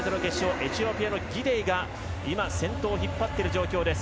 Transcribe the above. エチオピアのギデイが今、先頭を引っ張っている状況です。